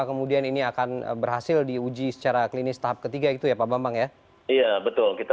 kemudian ini akan berhasil diuji secara klinis tahap ketiga itu ya pak bambang ya iya betul kita